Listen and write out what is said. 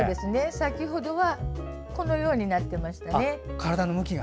先ほどはこのようになってましたね。